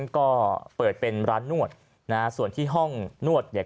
ก็เปิดเป็นร้านนวดนะฮะส่วนที่ห้องนวดเนี่ย